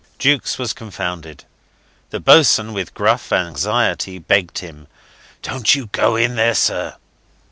Jukes was confounded. The boatswain, with gruff anxiety, begged him, "Don't you go in there, sir."